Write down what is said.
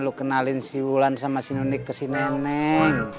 lu kenalin si wulan sama si nenek ke si nenek